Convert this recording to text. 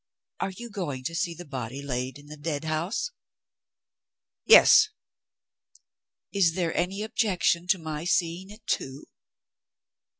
"Are you going to see the body laid in the Deadhouse?" "Yes." "Is there any objection to my seeing it too?"